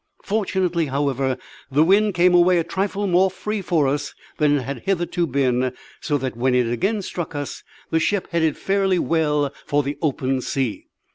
Fortunately, however, the wind came away a trifle more free for us than it had hitherto been, so that when it again struck us the ship headed fairly well for the open sea.